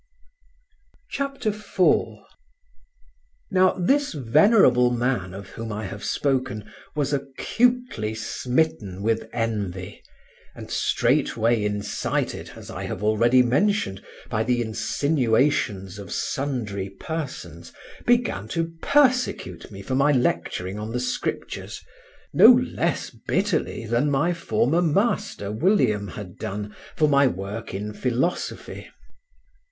CHAPTER IV OF THE PERSECUTION HE HAD FROM HIS TEACHER ANSELM Now this venerable man of whom I have spoken was acutely smitten with envy, and straightway incited, as I have already mentioned, by the insinuations of sundry persons, began to persecute me for my lecturing on the Scriptures no less bitterly than my former master, William, had done for my work in philosophy.